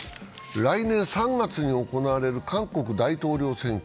来年３月に行われる韓国大統領選挙。